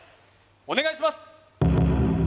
お願いします